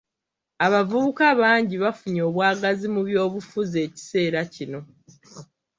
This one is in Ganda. Abavubuka bangi bafunye obwagazi mu by'obufuzi ekiseera kino.